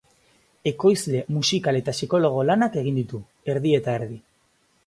Ekoizle musikal eta psikologo lanak egin ditu, erdi eta erdi.